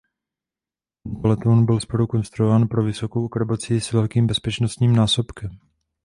Tento letoun byl zprvu zkonstruován pro vysokou akrobacii s velkým bezpečnostním násobkem.